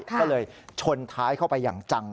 ก็เลยชนท้ายเข้าไปอย่างจัง